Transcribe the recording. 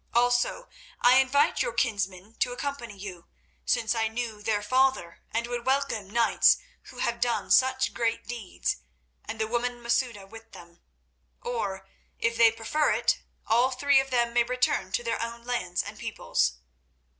Also I invite your kinsmen to accompany you, since I knew their father, and would welcome knights who have done such great deeds, and the woman Masouda with them. Or, if they prefer it, all three of them may return to their own lands and peoples.